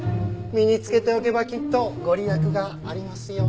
身につけておけばきっと御利益がありますよ。